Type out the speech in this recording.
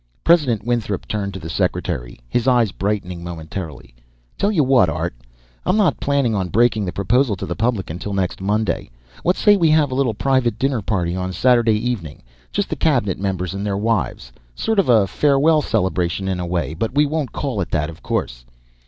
President Winthrop turned to the Secretary, his eyes brightening momentarily. "Tell you what, Art. I'm not planning on breaking the proposal to the public until next Monday. What say we have a little private dinner party on Saturday evening, just the Cabinet members and their wives? Sort of a farewell celebration, in a way, but we won't call it that, of course?